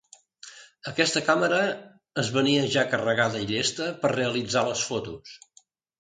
Aquesta càmera es venia ja carregada i llesta per a realitzar les fotos.